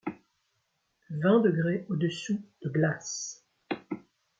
vingt degré au-dessous de glace !